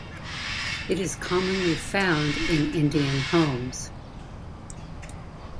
It is commonly found in Indian homes.